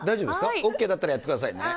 ＯＫだったら、やってくださいね。